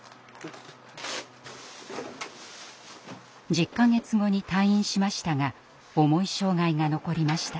１０か月後に退院しましたが重い障害が残りました。